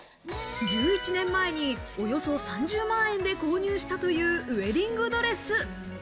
１１年前におよそ３０万円で購入したというウエディングドレス。